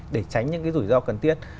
để tránh những rủi ro cần tiết